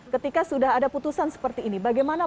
ketika sudah ada putusan seperti ini bagaimana